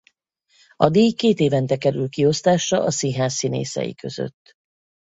A díj két évente kerül kiosztásra a színház színészei között.